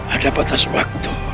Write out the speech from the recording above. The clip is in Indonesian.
ada batas waktu